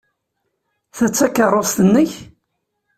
Ta d takeṛṛust-nnek?